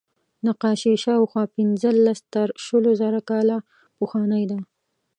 نقاشي شاوخوا پینځلس تر شلو زره کاله پخوانۍ ده.